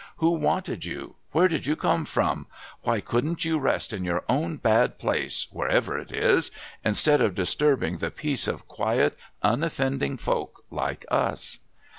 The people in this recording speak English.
' W'ho wanted you ? Where did you come from ? Why couldn't you rest in your own bad place, wherever it is, instead of disturbing the peace of quiet unoffending folk like us